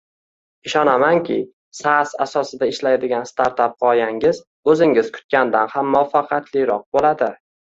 Ishonamanki, saas asosida ishlaydigan startap g’oyangiz o’zingiz kutgandan ham muvaffaqiyatliroq bo’ladi